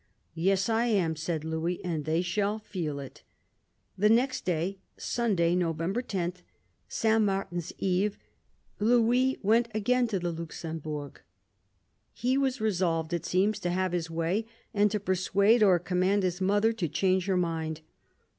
" Yes, I am," said Louis, " and they shall feel it." The next day — Sunday, November 10, St. Martin's Eve Louis went again to the Luxembourg. He was resolved, it seems, to have his way, and to persuade or command his mother to change her mind.